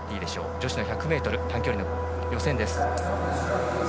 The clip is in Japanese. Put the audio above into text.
女子の１００ｍ短距離の予選です。